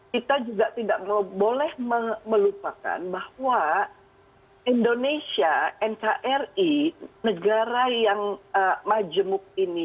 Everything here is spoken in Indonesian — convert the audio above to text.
kita juga tidak boleh melupakan bahwa indonesia nkri negara yang majemuk ini